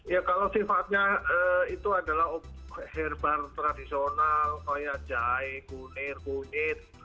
ya kalau sifatnya itu adalah herbal tradisional kayak jahe kunir kunyit